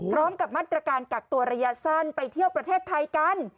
พร้อมกับมาตรการกักตัวระยะสั้นไปเที่ยวประเทศไทยกัน